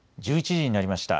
１１時になりました。